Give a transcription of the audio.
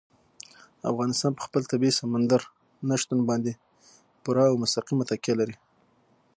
افغانستان په خپل طبیعي سمندر نه شتون باندې پوره او مستقیمه تکیه لري.